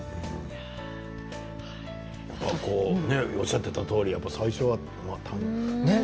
おっしゃっていたとおり最初は全くってね。